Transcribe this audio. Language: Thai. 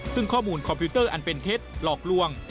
ซึ่งข้อมูลคอมพิวเตอร์อันเป็นเท็จหลอกลวง